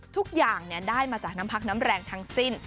ทุกอย่างได้มาจากน้ำพักน้ำแรงทั้งสิ้น